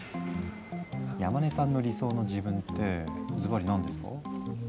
山根さんの理想の自分ってズバリ何ですか？